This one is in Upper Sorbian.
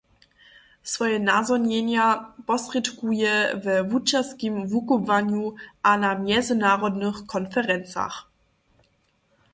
Swoje nazhonjenja posrědkuje we wučerskim wukubłanju a na mjezynarodnych konferencach.